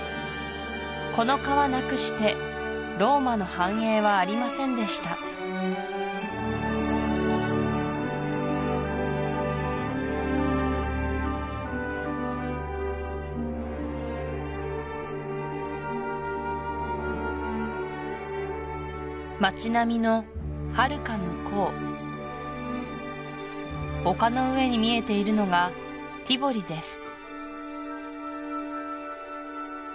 この川なくしてローマの繁栄はありませんでした街並みのはるか向こう丘の上に見えているのがティヴォリです